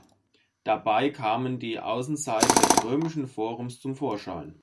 Dabei kamen die Außenseiten des römischen Forums zum Vorschein.